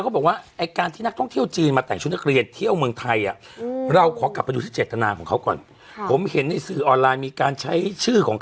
คือสมมุติแต่งชุดสถาบันอ่าเราไม่ได้เรียนสถาบันนี้แล้วไปปักชื่อย่อ